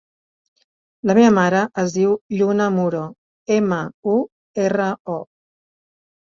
La meva mare es diu Lluna Muro: ema, u, erra, o.